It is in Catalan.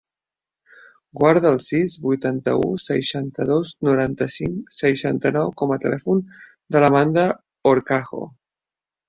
Guarda el sis, vuitanta-u, seixanta-dos, noranta-cinc, seixanta-nou com a telèfon de l'Amanda Horcajo.